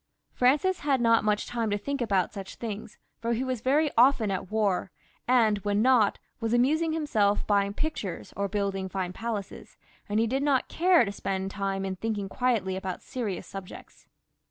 Francis ha:d not much time to think about such things, for he was very often at war; and when not, was amusing himseK, buying pictures or building fine palaces, and he did not care to spend time in thinking quietly about serious subjects.